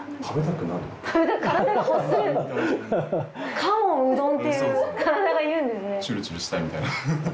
カモンうどんっていう体がいうんですね。